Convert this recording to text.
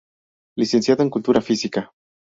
Licenciado en Cultura Física.